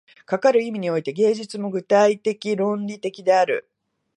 かかる意味において、芸術も具体的論理的である。